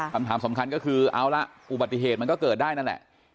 คำถามสำคัญก็คือเอาละอุบัติเหตุมันก็เกิดได้นั่นแหละ